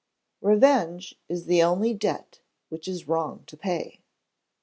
[REVENGE IS THE ONLY DEBT WHICH IS WRONG TO PAY.